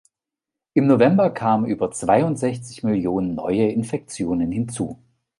Im November kamen über Zweiundsechzigmillionen neue Infektionen hinzu.